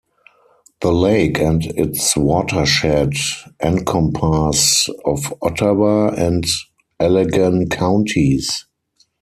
The lake and its watershed encompass of Ottawa and Allegan counties.